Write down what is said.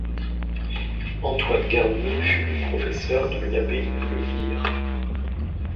Antoine Garnier fut le professeur de l'abbé Le Hir.